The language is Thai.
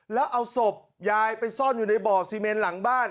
แล้วเอาศพยายไปซ่อนอยู่ในบ่อซีเมนหลังบ้าน